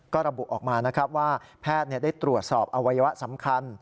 ก็ระบุออกมานะครับว่าแพทย์ได้ตรวจสอบอวัยวะสำคัญ